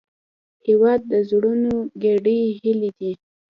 هېواد د زړونو ګډې هیلې دي.